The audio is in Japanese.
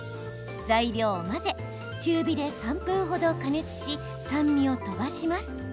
材料を混ぜ中火で３分ほど加熱し酸味を飛ばします。